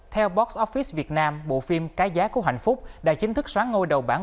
theo box office việt nam bộ phim cái giá của hạnh phúc đã chính thức xóa ngôi đầu bảng